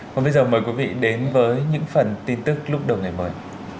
còn bây giờ mời quý vị đến với những phần tin tức lúc đầu ngày mới